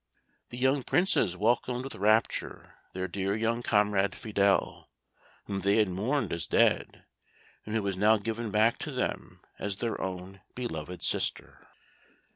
The young Princes welcomed with rapture their dear young comrade Fidele, whom they had mourned as dead, and who was now given back to them as their own beloved sister.